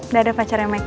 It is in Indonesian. dah ada pacarnya meka